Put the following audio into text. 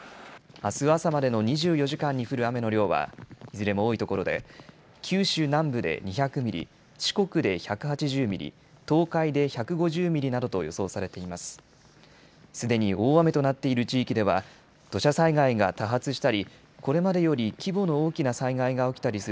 あすの朝までの２４時間に降る雨の量はいずれも多いところで九州南部で２００ミリ、四国で１８０ミリ、東海で１５０ミリなどと予想されています。